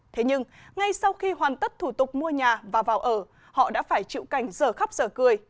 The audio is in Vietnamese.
thế nhưng ngay sau khi hoàn tất thủ tục mua nhà và vào ở họ đã phải chịu cảnh giờ khắp giờ cười